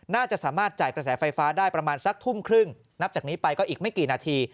น่าจะสามารถจ่ายกระแสไฟฟ้าได้ประมาณสักทุ่มครึ่งนับจากนี้ไปก็อีกไม่กี่นาที